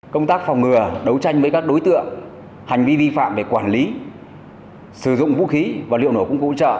công tác phòng ngừa đấu tranh với các đối tượng hành vi vi phạm về quản lý sử dụng vũ khí và liệu nổ công cụ hỗ trợ